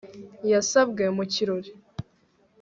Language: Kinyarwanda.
Yasabwe mu kirori